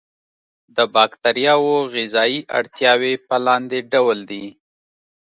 د باکتریاوو غذایي اړتیاوې په لاندې ډول دي.